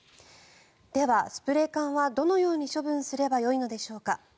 では、スプレー缶はどのように処分すればよいのでしょうか。